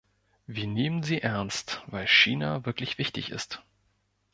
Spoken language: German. Wir nehmen sie ernst, weil China wirklich wichtig ist.